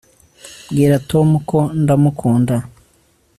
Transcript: bwira tom ko ndamukunda